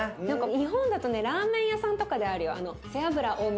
何か日本だとねラーメン屋さんとかであるよ。